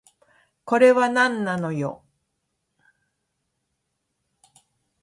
これはなんなのよ